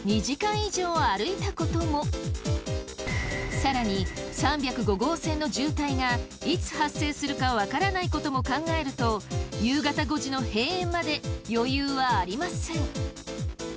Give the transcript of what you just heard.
更に３０５号線の渋滞がいつ発生するかわからないことも考えると夕方５時の閉園まで余裕はありません。